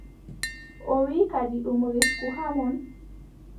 O wiʼi kadi ɗum risku haa mon.